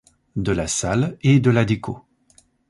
De la salle et de la déco.